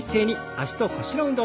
脚と腰の運動。